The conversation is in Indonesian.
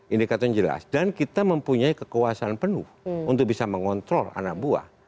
indikatornya jelas dan kita mempunyai kekuasaan penuh untuk bisa mengontrol anak buah